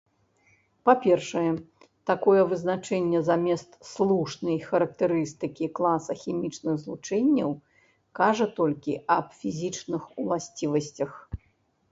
Па-першае, такое вызначэнне замест слушнай характарыстыкі класа хімічных злучэнняў кажа толькі аб фізічных уласцівасцях.